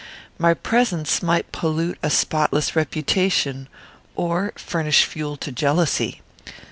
My presence might pollute a spotless reputation, or furnish fuel to jealousy.